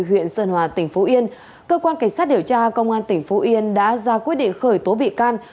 huyện sơn hòa tỉnh phú yên cơ quan cảnh sát điều tra công an tỉnh phú yên đã ra quyết định khởi tố bị can